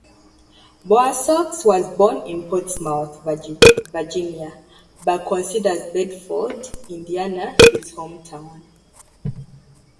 Bowersox was born in Portsmouth, Virginia, but considers Bedford, Indiana his home town.